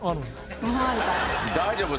大丈夫？